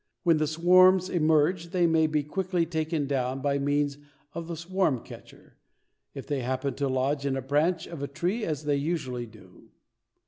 When the swarms emerge they may be quickly taken down by means of the swarm catcher, if they happen to lodge in a branch of a tree, as they usually do.